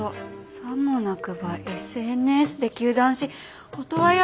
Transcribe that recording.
さもなくばＳＮＳで糾弾しオトワヤ